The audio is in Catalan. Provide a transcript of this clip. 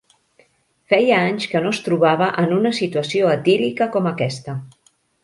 Feia anys que no es trobava en una situació etílica com aquesta.